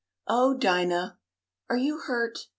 "Oh, Dinah!" "Are you hurt?"